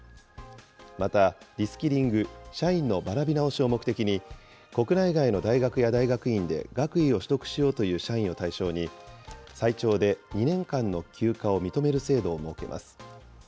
また、リスキリング・社員の学び直しを目的に、国内外の大学や大学院で学位を取得しようという社員を対象に、最長で２年間の休暇を認める制度を設けます。